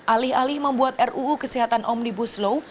alih alih membuat ruu kesehatan omnibus law